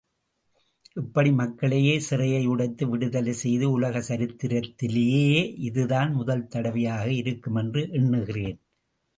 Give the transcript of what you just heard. இப்படி மக்களே சிறையை உடைத்து விடுதலை செய்தது உலக சரித்திரத்திலேயே இதுதான் முதல் தடவையாக இருக்கும் என்று எண்ணுகிறேன்.